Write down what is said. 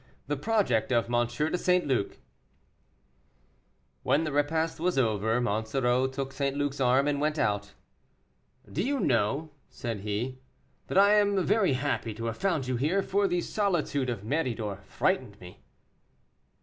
THE PROJECT OF M. DE ST. LUC. When the repast was over, Monsoreau took St. Luc's arm and went out. "Do you know," said he, "that I am very happy to have found you here, for the solitude of Méridor frightened me."